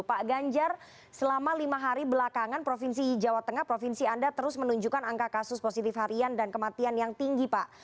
pak ganjar selama lima hari belakangan provinsi jawa tengah provinsi anda terus menunjukkan angka kasus positif harian dan kematian yang tinggi pak